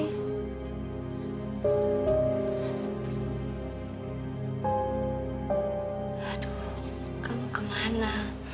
aduh kamu kemana